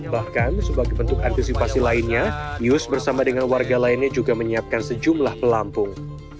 bahkan sebagai bentuk antisipasi lainnya yus bersama dengan warga lainnya juga menyiapkan sejumlah pelampung